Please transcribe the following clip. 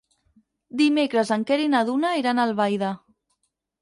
Dimecres en Quer i na Duna iran a Albaida.